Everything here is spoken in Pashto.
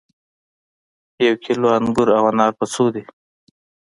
یو کیلو انګور او انار په څو دي